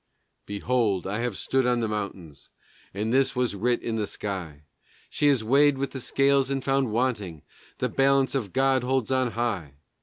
Behold, I have stood on the mountains, and this was writ in the sky: "She is weighed in the scales and found wanting, the balance God holds on high!"